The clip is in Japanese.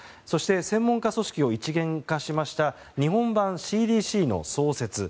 専門家組織を一元化しました日本版ＣＤＣの創設